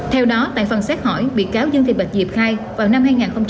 theo đó tại phần xét hỏi bị cáo dương thị bạch diệp khai vào năm hai nghìn bảy